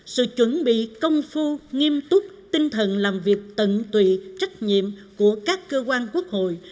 sự chuẩn bị công phu nghiêm túc tinh thần làm việc tận tụy trách nhiệm của các cơ quan quốc hội